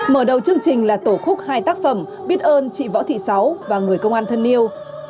mở đầu chương trình là tổ khúc hai tác phẩm biết ơn chị võ thị sáu và người công an thân yêu